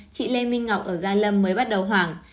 chị lê minh ngọc ở gia lâm mới bắt đầu hoảng